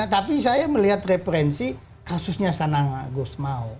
tapi saya melihat referensi kasusnya sanang agus mau